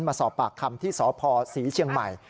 มาสอบปากคำที่สพศรีเชียงใหม่